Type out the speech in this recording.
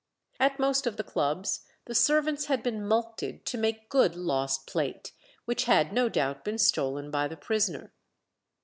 At most of the clubs the servants had been mulcted to make good lost plate, which had no doubt been stolen by the prisoner.